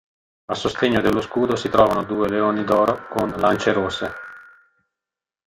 A sostegno dello scudo si trovano due leoni d'oro con lance rosse.